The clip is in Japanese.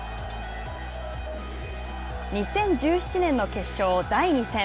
２０１７年の決勝第２戦。